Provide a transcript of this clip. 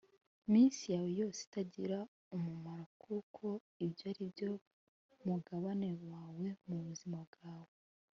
minsi yawe yose itagira umumaro kuko ibyo ari byo mugabane wawe mu buzima bwawe